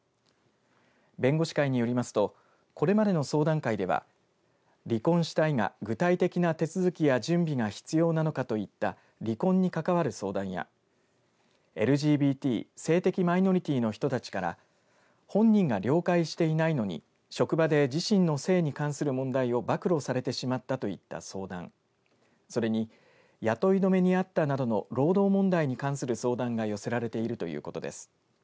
弁護士会によりますとこれまでの相談会では離婚したいが具体的な手続きや準備が必要なのかといった離婚に関わる相談やＬＧＢＴ性的マイノリティーの人たちから本人が了解していないのに職場で自身の性に関する問題を暴露されてしまったといった相談それに雇い止めにあったなどの労働問題に関する相談が寄せられているということです。